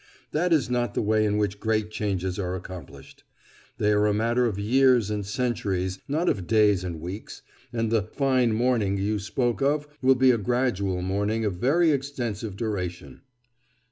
That is not the way in which great changes are accomplished. They are a matter of years and centuries, not of days and weeks; and the "fine morning" you spoke of will be a gradual morning of very extensive duration.